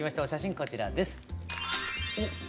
こちらです。